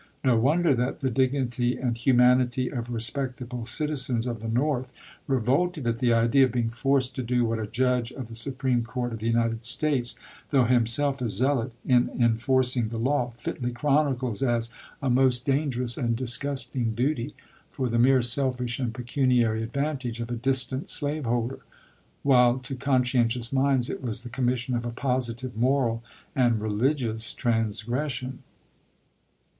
No wonder that the dignity and humanity of respectable citizens of the North revolted at the idea of being forced to do what a judge of the Supreme Court of the United States, though himself a zealot in en forcing the law, fitly chronicles as " a most danger PEKSONAL LIBEKTY BILLS 29 ous and disgusting duty," for the mere selfish and pecuniary advantage of a distant slaveholder ; while to conscientious minds it was the commission of a positive moral and religious transgression.